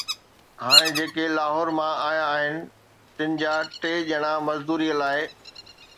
هاڻي جيڪي لاهور مان آيا آهن، تن جا ٽي ڄڻا مزدوريءَ لاءِ